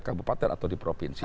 kabupaten atau di provinsi